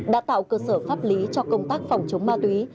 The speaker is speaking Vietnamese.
đã tạo cơ sở pháp lý cho công tác phòng chống ma túy